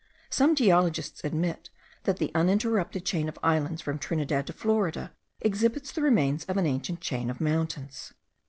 Some geologists admit that the uninterrupted chain of islands from Trinidad to Florida exhibits the remains of an ancient chain of mountains.